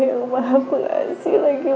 yang maaf gak sih lagi